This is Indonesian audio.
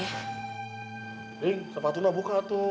raya sepatu lo buka tuh